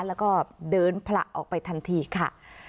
แล้วก็เดินผละออกไปทันทีค่ะ